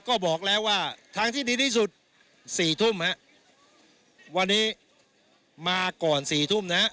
ก็บอกแล้วว่าทางที่ดีที่สุดสี่ทุ่มฮะวันนี้มาก่อนสี่ทุ่มนะฮะ